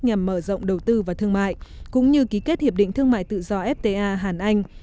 nhằm mở rộng đầu tư và thương mại cũng như ký kết hiệp định thương mại tự do fta hàn anh